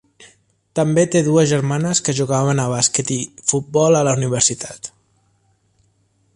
També té dues germanes que jugaven a bàsquet i futbol a la universitat.